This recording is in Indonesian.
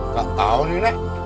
gak tahu nih nek